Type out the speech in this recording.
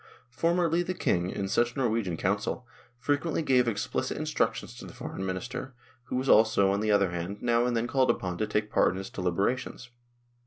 Formerly the King, in such Norwegian council, frequently gave explicit instructions to the Foreign Minister, who was also, on the other hand, now and then called upon to take part in its deliberations.